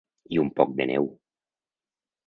I un poc de neu.